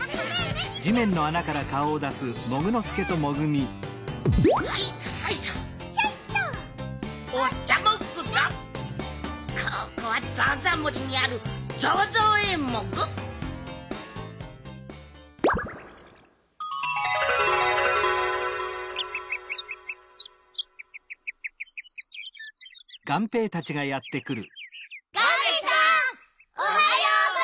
ガメさんおはようございます！